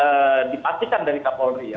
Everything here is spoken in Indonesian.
yang dipastikan dari kapolri ya